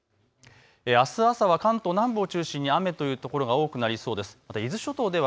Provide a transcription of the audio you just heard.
あす朝は関東南部を中心に雨という所が多くなりそうです。